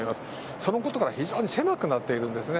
そのことから非常に狭くなっているんですね。